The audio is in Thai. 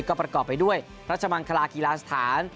ก็ประกอบไปด้วยรัชมังคลากีฬาสถาน